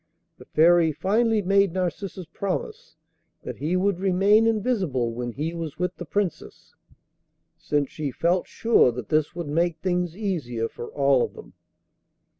The Fairy finally made Narcissus promise that he would remain invisible when he was with the Princess, since she felt sure that this would make things easier for all of them.